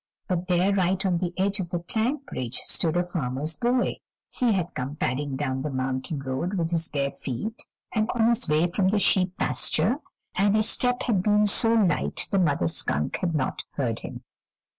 But there right on the edge of the plank bridge stood the farmer's boy; he had come padding down the mountain road with his bare feet, on his way from the sheep pasture, and his step had been so light the mother skunk had not heard him.